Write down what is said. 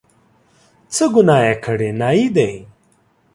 څه ګناه یې کړې، نایي دی.